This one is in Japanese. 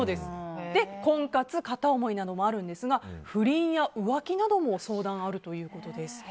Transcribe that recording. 婚活、片思いなどもありますが不倫や浮気なども相談があるということです。